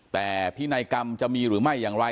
แต่พินัยกรรมจะมีหรือไม่อย่างไร